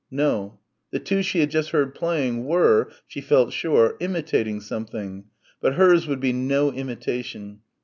No. The two she had just heard playing were, she felt sure, imitating something but hers would be no imitation.